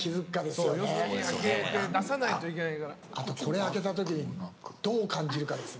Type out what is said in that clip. これ開けた時にどう感じるかですね。